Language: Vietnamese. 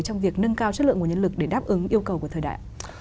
trong việc nâng cao chất lượng nguồn nhân lực để đáp ứng yêu cầu của thời đại